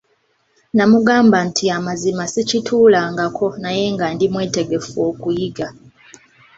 Namugamba nti amazima sikituulangako naye nga ndi mwetegefu okuyiga.